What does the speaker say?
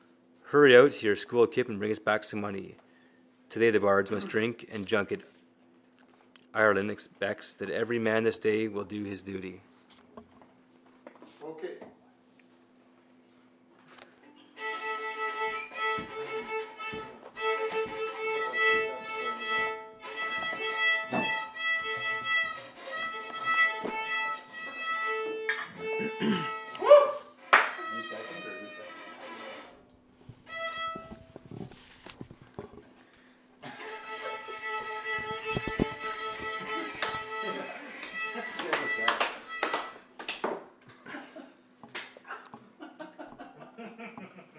Hurry out to your school kip and bring us back some money. Today the bards must drink and junket. Ireland expects that every man this day will do his duty.